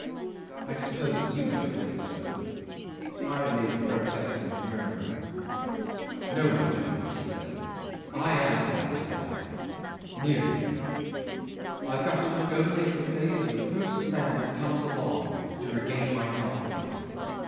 I suppose you don't think so ..." 'I made a protesting murmur. '"No matter," he said. "I am satisfied ... nearly. I've got to look only at the face of the first man that comes along, to regain my confidence.